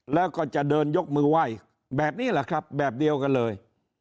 แล้วก็จะเดินยกมือไหว้แบบนี้แหละครับแบบเดียวกันเลย